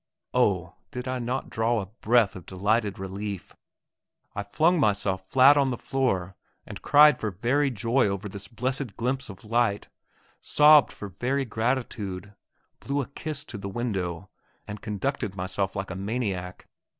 Oh, did I not draw a breath of delighted relief! I flung myself flat on the floor and cried for very joy over this blessed glimpse of light, sobbed for very gratitude, blew a kiss to the window, and conducted myself like a maniac.